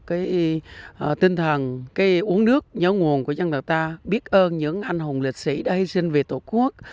một cái tinh thần cái uống nước nhớ nguồn của dân đất ta biết ơn những anh hùng lịch sĩ đã hi sinh về tổ quốc